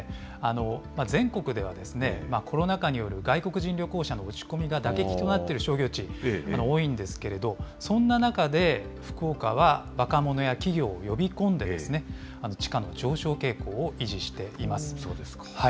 全国ではコロナ禍による外国人旅行者の落ち込みが打撃となっている商業地、多いんですけれども、そんな中で、福岡は若者や企業を呼び込んで、地価の上昇傾向を維持しています。